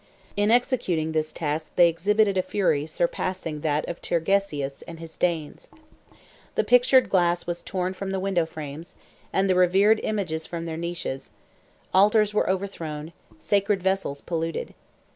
In executing this task they exhibited a fury surpassing that of Turgesius and his Danes. The pictured glass was torn from the window frames, and the revered images from their niches; altars were overthrown; sacred vessels polluted.